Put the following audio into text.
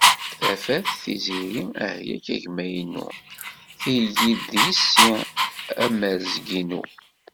Tafat, Tiziri ahya-k a gma-inu. Tigi d yessi am warrezg-inu.